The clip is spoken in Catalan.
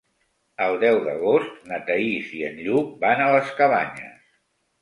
El deu d'agost na Thaís i en Lluc van a les Cabanyes.